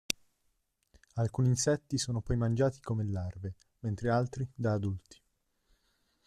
Alcuni insetti sono poi mangiati come larve, mentre altri da adulti.